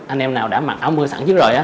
anh em nào đã mặc áo mưa sẵn trước rồi